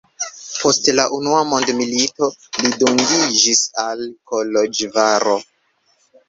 Post la unua mondmilito li dungiĝis al Koloĵvaro.